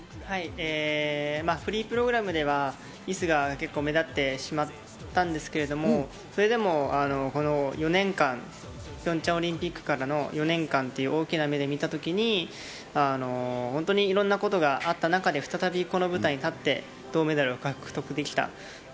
フリープログラムではミスが結構目立ってしまったんですけれども、それでもこの４年間、ピョンチャンオリンピックからの４年間という大きな目で見た時に本当にいろんなことがあった中で再び、この舞台に立って、銅メダルを獲得できた。